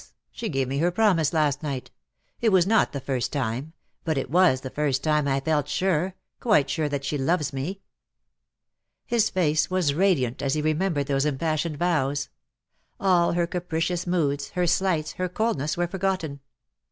She gave me her promise last night. It was not the first time: but it was the first time I felt sure, quite sure that she loves me." His face was radiant as he remembered those impassioned vows. All her capricious moods, her slights, her coldness were forgotten.